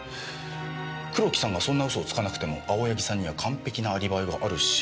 黒木さんがそんな嘘をつかなくても青柳さんには完璧なアリバイがあるし。